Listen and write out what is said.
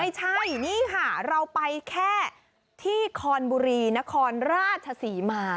ไม่ใช่นี่ค่ะเราไปแค่ที่คอนบุรีนครราชศรีมา